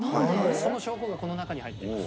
その証拠がこの中に入っています。